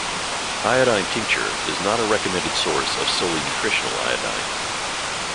Iodine tincture is not a recommended source of solely-nutritional iodine.